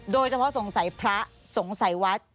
โดยเฉพาะสงสัยพระสงสัยวัด